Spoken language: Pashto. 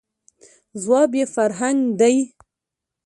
، ځواب یې «فرهنګ» دی.